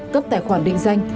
cấp tài khoản định danh